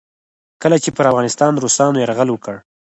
کله چې پر افغانستان روسانو یرغل وکړ.